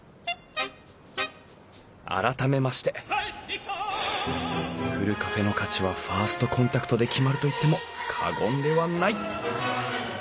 改めましてふるカフェの価値はファーストコンタクトで決まると言っても過言ではない。